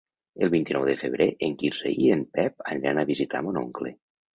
El vint-i-nou de febrer en Quirze i en Pep aniran a visitar mon oncle.